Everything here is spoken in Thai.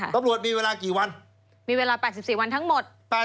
ตำรวจมีเวลากี่วันมีเวลา๘๔วันทั้งหมด